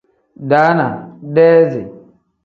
Daana pl: deezi n.